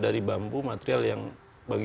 dari bambu material yang bagi